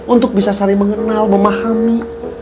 untuk bisa saling mengenal memahami